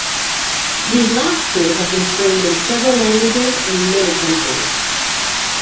These last two have been screened in several languages in many countries.